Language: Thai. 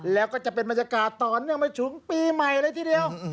แล้วก็จะเป็นบรรยากาศต่อเนื่องไปถึงปีใหม่เลยทีเดียว